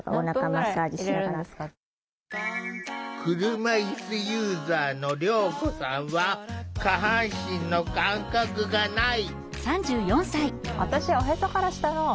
車いすユーザーのりょうこさんは下半身の感覚がない。